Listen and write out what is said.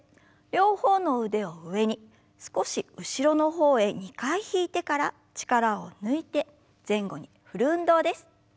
両方の腕を上に少し後ろの方へ２回引いてから力を抜いて前後に振る運動です。